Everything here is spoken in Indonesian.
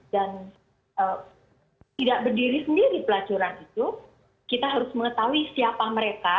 dan tidak berdiri sendiri pelacuran itu kita harus mengetahui siapa mereka